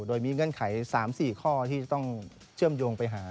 โดยมีเงื่อนไข๓๔ข้อที่จะต้องเชื่อมโยงไปหา